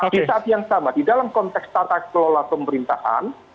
di saat yang sama di dalam konteks tata kelola pemerintahan